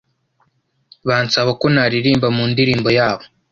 bansaba ko naririmba mu ndirimbo yabo.